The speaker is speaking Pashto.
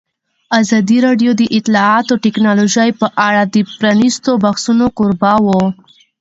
ازادي راډیو د اطلاعاتی تکنالوژي په اړه د پرانیستو بحثونو کوربه وه.